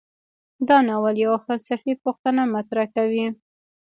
دا ناول یوه فلسفي پوښتنه مطرح کوي.